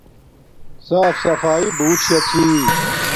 صاف سفایݵ بوت شا چھی